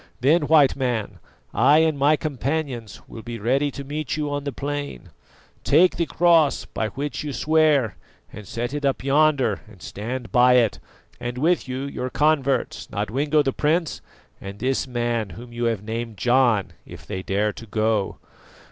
Then White Man, I and my companions will be ready to meet you on the plain. Take the cross by which you swear and set it up yonder and stand by it, and with you your converts, Nodwengo the prince, and this man whom you have named John, if they dare to go.